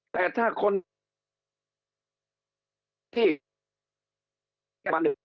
แต่ถ้าคนที่เกี่ยวข้องรัฐ